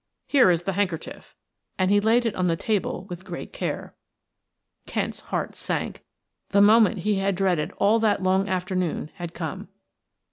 Here is the handkerchief," and he laid it on the table with great care. Kent's heart sank; the moment he had dreaded all that long afternoon had come.